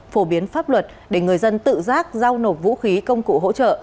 phổ biến pháp luật để người dân tự giác giao nộp vũ khí công cụ hỗ trợ